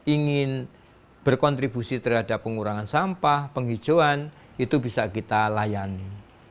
ingin berkontribusi terhadap pengurangan sampah penghijauan itu bisa kita layani